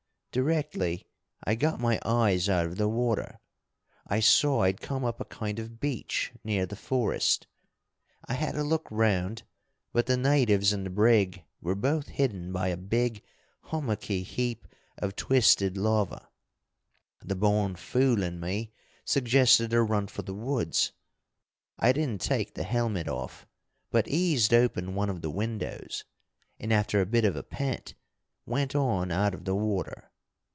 Directly I got my eyes out of the water, I saw I'd come up a kind of beach near the forest. I had a look round, but the natives and the brig were both hidden by a big, hummucky heap of twisted lava, the born fool in me suggested a run for the woods. I didn't take the helmet off, but eased open one of the windows, and, after a bit of a pant, went on out of the water.